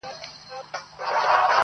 دا روغن په ټول دوکان کي قیمتې وه!!